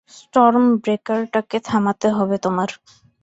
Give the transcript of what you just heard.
স্টর্মব্রেকারটাকে থামাতে হবে তোমার।